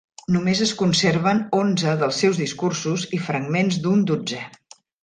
Només es conserven onze dels seus discursos i fragments d'un dotzè.